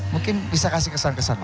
mungkin bisa kasih kesan kesan